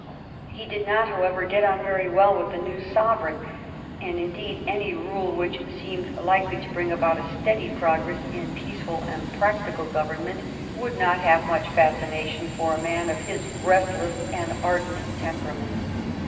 He did not, however, get on very well with the new sovereign, and, indeed, any rule which seemed likely to bring about a steady progress in peaceful and practical government would not have much fascina tion for a man of his restless and ardent temperament.